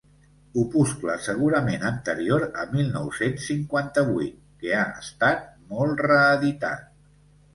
Opuscle segurament anterior a mil nou-cents cinquanta-vuit que ha estat molt reeditat.